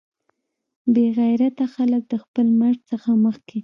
بې غیرته خلک د خپل مرګ څخه مخکې.